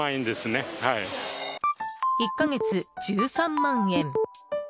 １か月１３万円。